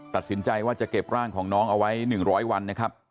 ตัดสินใจว่าจะเก็บร่างของน้องเอาไว้๑๐๐วันนะครับ